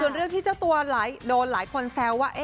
ส่วนเรื่องที่เจ้าตัวโดนหลายคนแซวว่า